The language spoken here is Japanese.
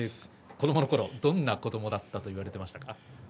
子どものころ、どんな子どもだったと言われていました？